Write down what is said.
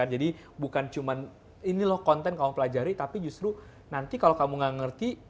jadi bukan cuma ini loh konten kalau pelajari tapi justru nanti kalau kamu nggak ngerti